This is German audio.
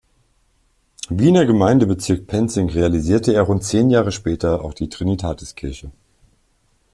Wiener Gemeindebezirk Penzing realisierte er rund zehn Jahre später auch die Trinitatiskirche.